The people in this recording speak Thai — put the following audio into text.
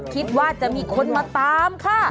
คิดว่าจะมีคนมาตามค่ะ